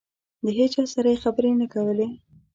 د هېچا سره یې خبرې نه کولې.